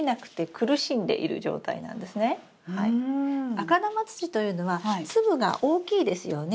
赤玉土というのは粒が大きいですよね。